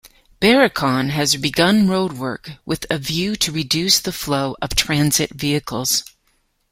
Berikon has begun roadwork with a view to reduce the flow of transit vehicles.